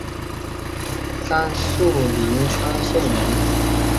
甘肃灵川县人。